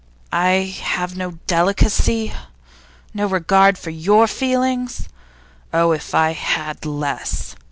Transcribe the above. I have no delicacy? No regard for your feelings? Oh, if I had had less!